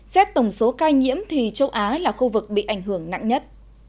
xét tổng số ca nhiễm thì châu á là khu vực bị ảnh hưởng nặng nhất